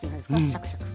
シャクシャク。